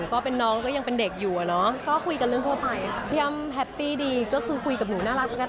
แล้วก็เป็นอีกรสชาติหนึ่งค่ะ